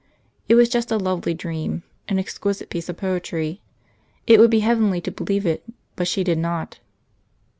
It was just a lovely dream an exquisite piece of poetry. It would be heavenly to believe it, but she did not.